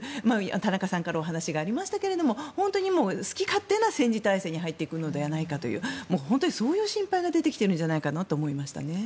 田中さんからお話がありましたが本当に好き勝手な戦時体制に入っていくのではという本当にそういう心配が出てきてるんじゃないかなと思いましたね。